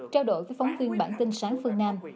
trao đổi với phóng viên bản tin sáng phương nam